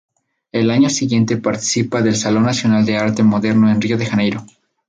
El año siguiente participa del Salón Nacional de Arte Moderna en Río de Janeiro.